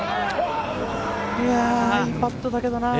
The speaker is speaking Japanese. いや、いいパットだけれどな。